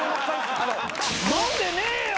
飲んでねえよ！